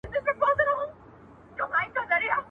• په درنو دروند، په سپکو سپک.